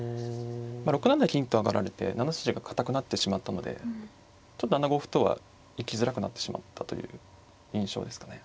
６七銀と上がられて７筋が堅くなってしまったのでちょっと７五歩とは行きづらくなってしまったという印象ですかね。